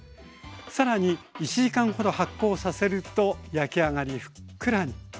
更に１時間ほど発酵させると焼き上がりふっくらに。